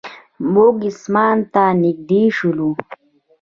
موږ اسمان ته نږدې شولو.